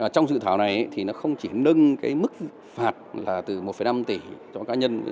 trong sự thảo này thì nó không chỉ nâng mức phạt là từ một năm tỷ cho cá nhân